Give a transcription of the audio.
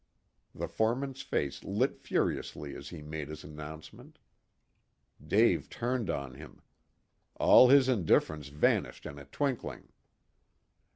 The foreman's face lit furiously as he made his announcement. Dave turned on him. All his indifference vanished in a twinkling.